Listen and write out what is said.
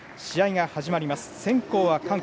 試合が始まります。